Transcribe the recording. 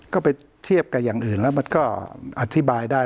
ก็ไปเทียบกับอย่างอื่นแล้วมันก็อธิบายได้